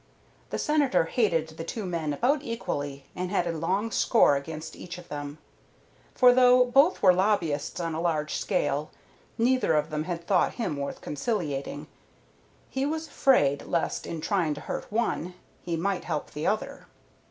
The Senator hated the two men about equally and had a long score against each of them; for though both were lobbyists on a large scale, neither of them had thought him worth conciliating. He was afraid lest in trying to hurt one he might help the other.